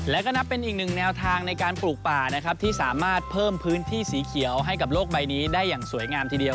และก็นับเป็นอีกหนึ่งแนวทางในการปลูกป่านะครับที่สามารถเพิ่มพื้นที่สีเขียวให้กับโลกใบนี้ได้อย่างสวยงามทีเดียว